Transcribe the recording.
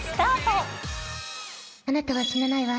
あなたは死なないわ。